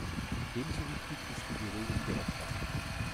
Ebenso wichtig ist die Beruhigung der Opfer.